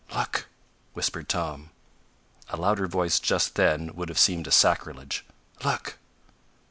"Look!" whispered Tom. A louder voice just then, would have seemed a sacrilege. "Look!"